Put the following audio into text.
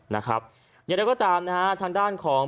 อย่างนั้นก็ตามทางด้านของ